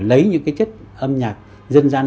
lấy những cái chất âm nhạc dân gian